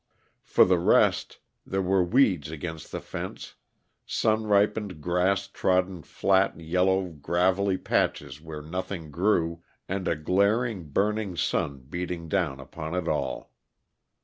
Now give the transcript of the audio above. For the rest, there were weeds against the fence, sun ripened grass trodden flat, yellow, gravelly patches where nothing grew and a glaring, burning sun beating down upon it all.